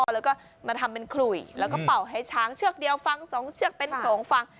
แล้วก็มาทำเป็นขลุยแล้วก็เป่าให้ช้างเชือกเดียวฟังสองเชือกเป็นโขลงฟัง